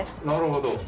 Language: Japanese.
なるほど。